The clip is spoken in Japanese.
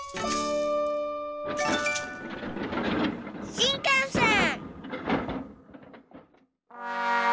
しんかんせん。